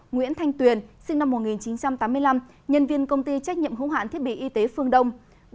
nguyễn thanh tuyền sinh năm một nghìn chín trăm tám mươi năm nhân viên công ty trách nhiệm hữu hạn thiết bị y tế phương đông